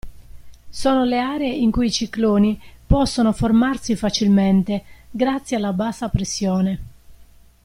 Sono le aree in cui i cicloni possono formarsi facilmente grazie alla bassa pressione.